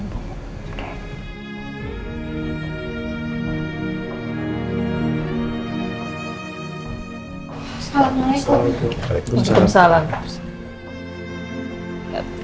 salamualaikum salam salam